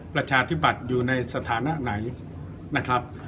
ประชาธิบัติอยู่ในสถานะไหนนะครับ